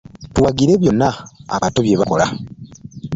Tuwagire byonna abato bye bakola.